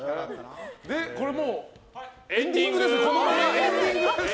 もうエンディングですね。